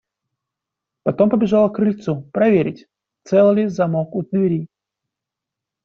Потом побежала к крыльцу проверить, цел ли замок у двери.